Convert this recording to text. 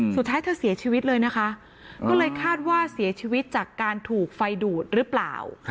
สุดท้ายเธอเสียชีวิตเลยนะคะก็เลยคาดว่าเสียชีวิตจากการถูกไฟดูดหรือเปล่า